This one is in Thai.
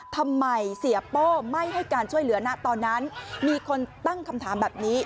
ทำไมเสียโป้ไม่ให้การช่วยเหลือนะตอนนั้นมีคนตั้งคำถามแบบนี้